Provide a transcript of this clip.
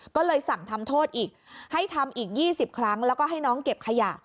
ก็เลยสั่งทำโทษอีกให้ทำอีก๒๐ครั้งแล้วก็ให้น้องเก็บขยะ